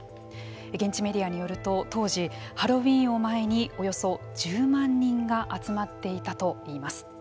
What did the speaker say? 現地メディアによると当時、ハロウィーンを前におよそ１０万人が集まっていたといいます。